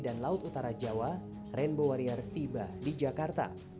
laut utara jawa rainbow warrior tiba di jakarta